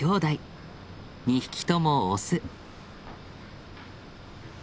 ２匹ともオス。